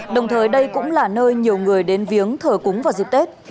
đồng thời đây cũng là nơi nhiều người đến viếng thờ cúng vào dịp tết